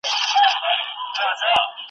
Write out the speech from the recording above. په دې لاپو هسی ځان کرارومه .